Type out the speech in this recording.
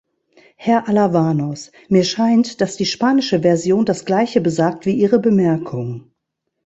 Herr Alavanos, mir scheint, dass die spanische Version das gleiche besagt wie Ihre Bemerkung.